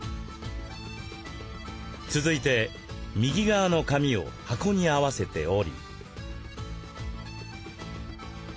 続いて右側の紙を箱に合わせて折り。